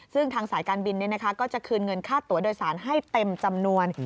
ซึ่งทางสายการบินก็จะคืนเงินค่าตัวโดยสารให้เต็มจำนวน